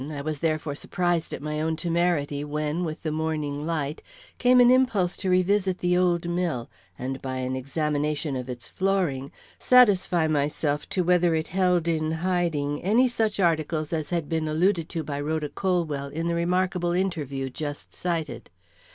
I was therefore surprised at my own temerity when, with the morning light, came an impulse to revisit the old mill, and by an examination of its flooring, satisfy myself to whether it held in hiding any such articles as had been alluded to by Rhoda Colwell in the remarkable interview just cited.